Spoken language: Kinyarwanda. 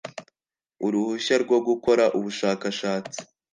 uruhushya rwo gukora ubushakashatsi